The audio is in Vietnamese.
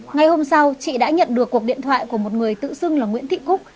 ngày hôm sau chị đã nhận được cuộc điện thoại của một người tự xưng là nguyễn thị cúc